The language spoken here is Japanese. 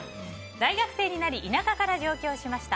大学生になり田舎から上京しました。